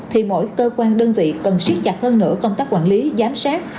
thì mỗi cơ quan đơn vị cần siết chặt hơn nữa công tác quản lý giám sát